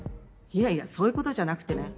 いやいやそういうことじゃなくてね。